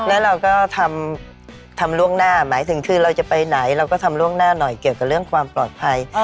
แล้วเราก็ทำล่วงหน้าหมายถึงคือเราจะไปไหนเราก็ทำล่วงหน้าหน่อยเกี่ยวกับเรื่องความปลอดภัย